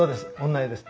女湯です。